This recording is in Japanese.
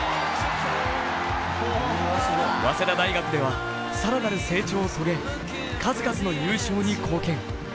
早稲田大学では更なる成長を遂げ、数々の優勝に貢献。